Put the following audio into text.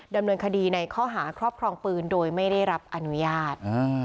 ดำเนินคดีในข้อหาครอบครองปืนโดยไม่ได้รับอนุญาต